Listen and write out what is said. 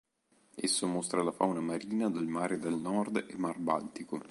Esso mostra la fauna marina del Mare del Nord e Mar Baltico.